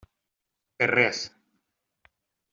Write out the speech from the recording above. Per res.